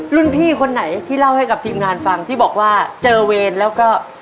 รุ่นพี่คนไหนที่เล่าให้กับทีมงานฟังที่บอกว่าเจอเวรแล้วก็